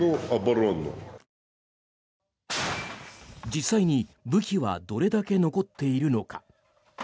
実際に武器はどれだけ残っているのか。